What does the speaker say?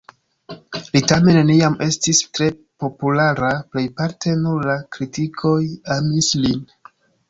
Li tamen neniam estis tre populara, plejparte nur la kritikoj amis lin.